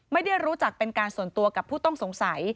ไม่ได้รู้จักเป็นการส่วนตัวกับผู้ต้องสงสัย